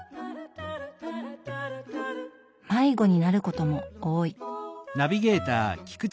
迷子になることも多い。